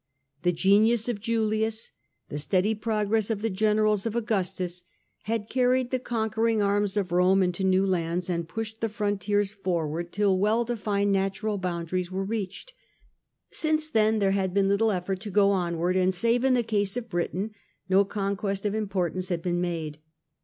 The genius powers, Qf juliys, the Steady progress of the generals of Augustus, had carried the conquering arms of Rome into new lands, and pushed the frontiers forward till 97 117 Trajan . 25 well defined natural boundaries were reached. Since then there had been little effort to go onward, and save in the case of Britain, no conquest of importance had been made.